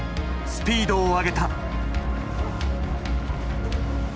スピードを上げた。